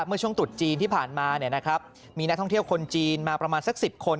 เมื่อช่วงตุดจีนที่ผ่านมามีนักท่องเที่ยวคนจีนมาประมาณสัก๑๐คน